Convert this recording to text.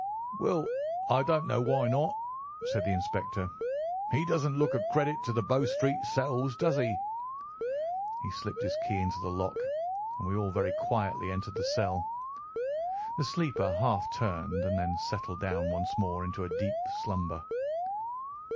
"Well, I don't know why not," said the inspector. "He doesn't look a credit to the Bow Street cells, does he?" He slipped his key into the lock, and we all very quietly entered the cell. The sleeper half turned, and then settled down once more into a deep slumber.